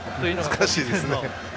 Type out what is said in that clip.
難しいですね。